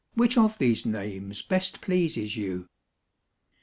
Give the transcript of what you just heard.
Which of these names best pleases you'?